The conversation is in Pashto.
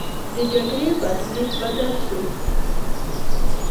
د جګړې برخلیک بدل سو.